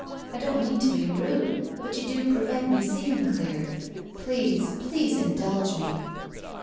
I don't mean to be rude, but you do prevent me seeing clear. Please, please indulge me